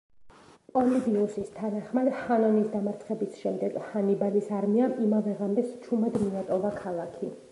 პოლიბიუსის თანახმად ჰანონის დამარცხების შემდეგ, ჰანიბალის არმიამ იმავე ღამეს ჩუმად მიატოვა ქალაქი.